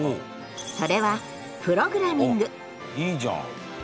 それはいいじゃん！